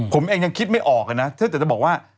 ผมเองยังคิดไม่ออกนะแต่จะบอกว่า